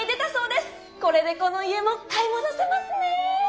これでこの家も買い戻せますねェー！